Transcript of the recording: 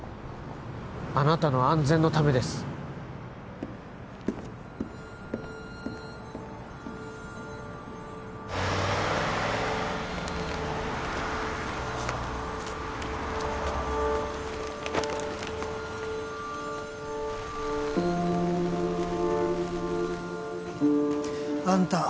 あなたの安全のためですあんた